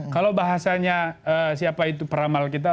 kalau bahasanya siapa itu peramal kita